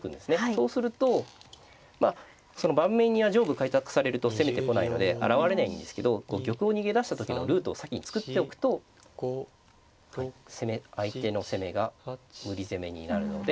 そうするとその盤面には上部を開拓されると攻めてこないので現れないんですけど玉を逃げ出した時のルートを先に作っておくと相手の攻めが無理攻めになるので。